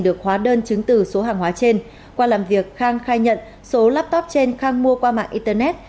được hóa đơn chứng từ số hàng hóa trên qua làm việc khang khai nhận số laptop trên khang mua qua mạng internet